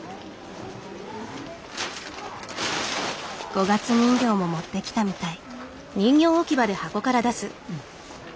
五月人形も持ってきたみたい。